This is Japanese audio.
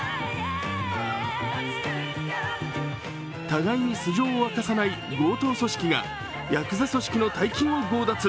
互いに素性を明かさない強盗組織がヤクザ組織の大金を強奪。